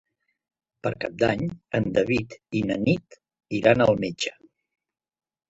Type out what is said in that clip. Per Cap d'Any en David i na Nit iran al metge.